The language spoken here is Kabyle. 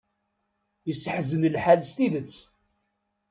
Iseḥzan lḥal s tidet.